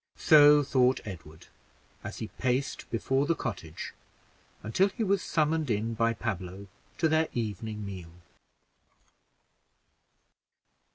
So thought Edward, as he paced before the cottage, until he was summoned in by Pablo to their evening meal.